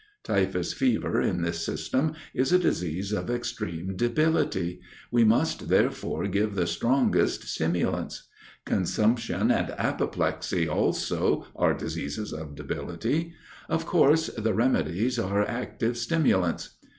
Typhus fever, in this system, is a disease of extreme debility; we must therefore give the strongest stimulants. Consumption and apoplexy, also, are diseases of debility; of course, the remedies are active stimulants.